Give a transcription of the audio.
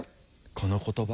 この言葉。